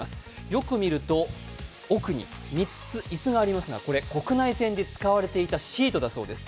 よく見ると、奥に３つ椅子がありますがこれ国内線で使われていたシートだそうです。